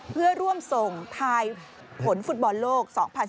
เพื่อร่วมส่งทายผลฟุตบอลโลก๒๐๑๙